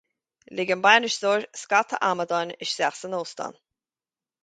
Lig an bainisteoir scata amadáin isteach san óstán